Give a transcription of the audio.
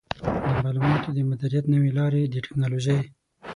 د معلوماتو د مدیریت نوې لارې د ټکنالوژۍ